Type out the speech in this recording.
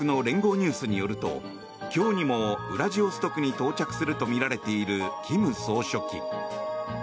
ニュースによると今日にもウラジオストクに到着するとみられている金総書記。